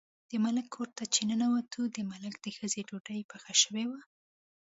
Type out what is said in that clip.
د ملک کور ته چې ننوتې، د ملک د ښځې ډوډۍ پخه شوې وه.